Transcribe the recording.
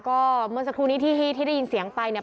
ก็เมื่อสักครู่นี้ที่ได้ยินเสียงไปเนี่ย